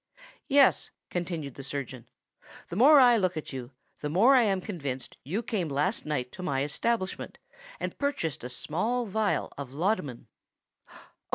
"Yes," continued the surgeon: "the more I look at you, the more I am convinced you came last night to my establishment and purchased a small phial of laudanum."